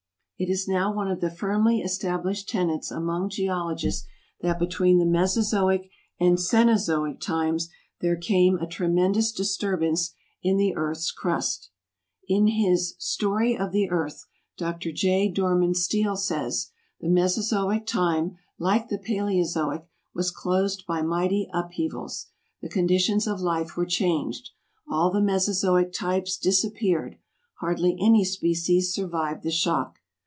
It is now one of the firmly established tenets among geologists that between the Mesozoic and Cenozoic times there came a tremendous disturbance in the earth's crust. In his "Story of the Earth," Dr. J. Dorman Steele says, "The Mesozoic time, like the Palaeozoic, was closed by mighty upheavals. The conditions of life were changed. All the Mesozoic types disappeared; hardly any species 169 survived the shock."